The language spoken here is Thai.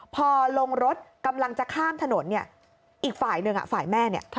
พอลงรถกำลังจะข้ามถนนเนี่ยอีกฝ่ายหนึ่งฝ่ายแม่เนี่ย